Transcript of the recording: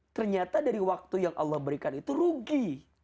ternyata dari waktu yang allah berikan itu rugi